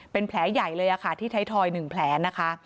เป็นแผลใหญ่เลยค่ะที่ไทยทอย๑แผลนะคะ